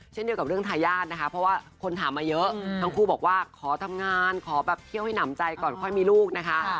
เช่นเดียวกับเรื่องทายาทนะคะเพราะว่าคนถามมาเยอะทั้งคู่บอกว่าขอทำงานขอแบบเที่ยวให้หนำใจก่อนค่อยมีลูกนะคะ